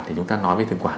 thì chúng ta nói về thực quản